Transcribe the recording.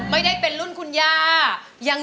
ไม่ได้เป็นรุ่นคุณย่า